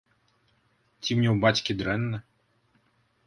Ці мне ў бацькі дрэнна?